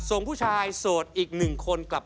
สวัสดีครับ